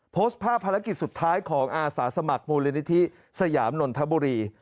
โพสต์ภาพภารกิจสุดท้ายของอาสาสมัครมูลนิธิสยามนนทบุรี